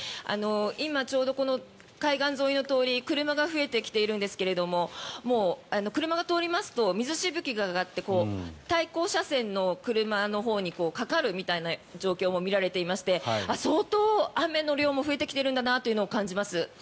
今ちょうど海岸沿いの通り車が増えてきているんですがもう車が通りますと水しぶきが上がって対向車線の車のほうにかかるみたいな状況も見られていまして相当、雨の量も増えてきているんだなというのを感じます。